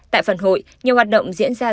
tại phần hội nhiều hoạt động diễn ra